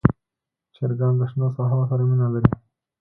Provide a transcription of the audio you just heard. چرګان د شنو ساحو سره مینه لري.